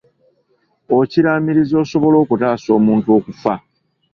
Okiraamiriza osobole okutaasa omuntu okufa.